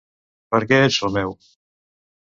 Per què ets Romeu?